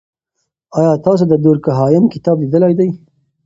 آیا تاسې د دورکهایم کتاب لیدلی دی؟